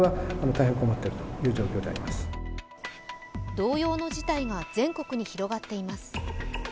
同様の事態が全国に広がっています。